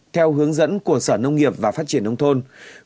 theo hướng dẫn của sở nông nghiệp và phát triển nông thôn